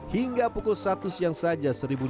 hingga pukul satu siang saja